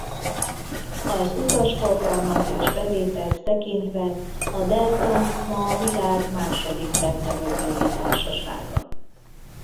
Az utasforgalmat és bevételt tekintve a Delta ma a világ második legnagyobb légitársasága.